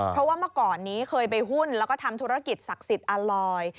เพราะว่าเมื่อก่อนนี้เคยไปหุ้นแล้วก็ทำธุรกิจศักดิ์สิทธิ์อาลอย